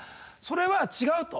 それは違うと。